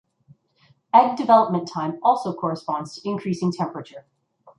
Egg development time also corresponds to increasing temperature.